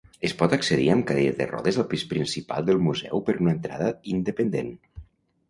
Es pot accedir amb cadira de rodes al pis principal del museu per una entrada independent.